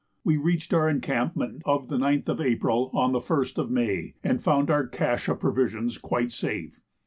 We reached our encampment of the 9th of April on the 1st of May, and found our "cache" of provisions quite safe.